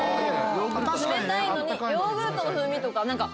冷たいのにヨーグルトの風味とか何か。